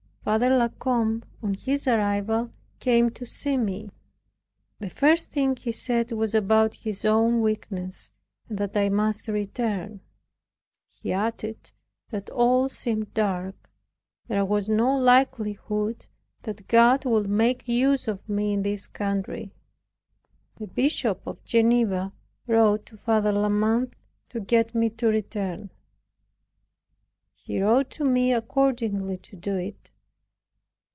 Father La Combe, on his arrival, came to see me. The first thing he said was about his own weakness, and that I must return. He added, "that all seemed dark, and there was no likelihood that God would make use of me in this country." The Bishop of Geneva wrote to Father La Mothe to get me to return; he wrote to me accordingly to do it.